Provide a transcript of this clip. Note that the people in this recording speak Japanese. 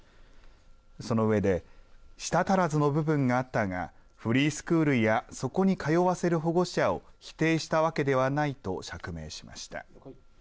その上で舌足らずの部分があったがフリースクールやそこに通わせる保護者を否定したわけではないと釈明しました。